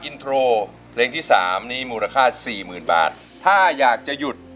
อินโทรเพลงที่สามนี้มูลค่าสี่หมื่นบาทถ้าอยากจะหยุด